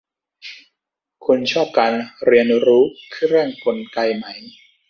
คุณชอบการเรียนรู้ด้วยเครื่องกลไกไหม